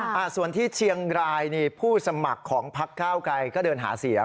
อ่าส่วนที่เชียงรายนี่ผู้สมัครของพักเก้าไกรก็เดินหาเสียง